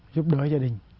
giúp đỡ gia đình